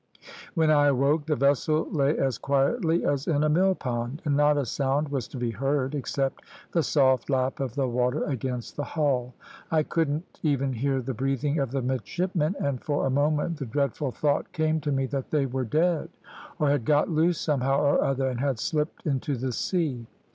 When I awoke the vessel lay as quietly as in a mill pond, and not a sound was to be heard except the soft lap of the water against the hull. I couldn't even hear the breathing of the midshipmen, and for a moment the dreadful thought came to me that they were dead, or had got loose somehow or other, and had slipped into the sea.